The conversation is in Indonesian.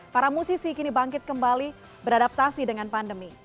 para musisi kini bangkit kembali beradaptasi dengan pandemi